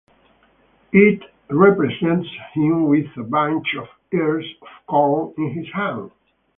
It represents him with a bunch of ears of corn in his hand.